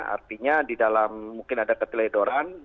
artinya di dalam mungkin ada keteledoran